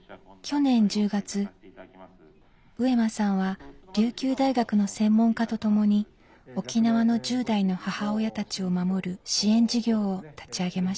去年１０月上間さんは琉球大学の専門家と共に沖縄の１０代の母親たちを守る支援事業を立ち上げました。